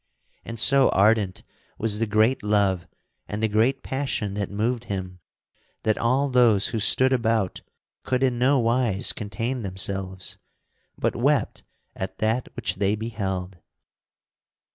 And so ardent was the great love and the great passion that moved him that all those who stood about could in no wise contain themselves, but wept at that which they beheld.